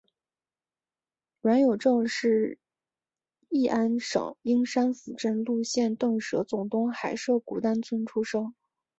阮有政是乂安省英山府真禄县邓舍总东海社古丹村出生。